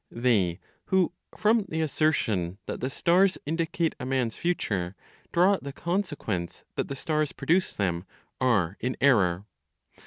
They who, from the assertion that the stars indicate a man's future, draw the consequence that the stars produce them, are in error.